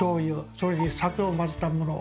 それに酒を混ぜたもの。